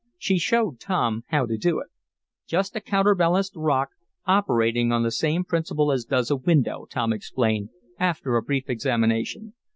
She showed Tom how to do it. "Just a counter balanced rock operating on the same principle as does a window," Tom explained, after a brief examination.